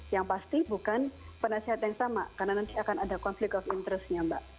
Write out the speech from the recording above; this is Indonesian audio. yang pasti bukan penasehat yang sama karena nanti akan ada konflik of interestnya mbak